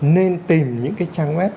nên tìm những cái trang web